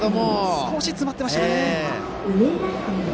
少し詰まっていましたね。